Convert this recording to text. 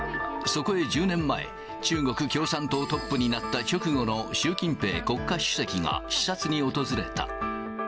そこへ１０年前、中国共産党トップになった直後の習近平国家主席が視察に訪れた。